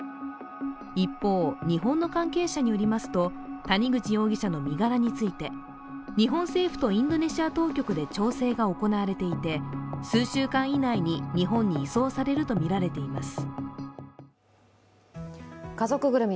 一方、日本の関係者によりますと谷口容疑者の身柄について日本政府とインドネシア当局で調整が行われていて数週間以内に日本に移送されるとみられています。